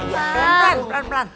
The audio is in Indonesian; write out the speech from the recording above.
pelan pelan pelan